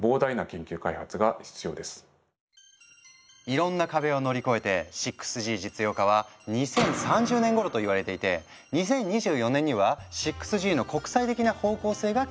いろんな壁を乗り越えて６Ｇ実用化は２０３０年ごろと言われていて２０２４年には６Ｇの国際的な方向性が決まるみたい。